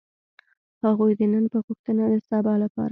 هغوی د نن په غوښتنه د سبا لپاره.